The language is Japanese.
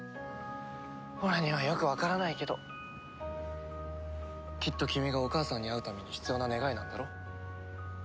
俺にはよくわからないけどきっと君がお母さんに会うために必要な願いなんだろ？